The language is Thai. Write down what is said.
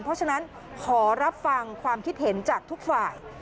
เพราะฉะนั้นขอรับฟังความคิดเห็นจากทุกฝ่าย